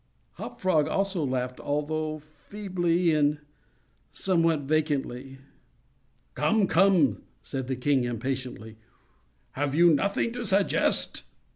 Hop Frog also laughed, although feebly and somewhat vacantly. "Come, come," said the king, impatiently, "have you nothing to suggest?"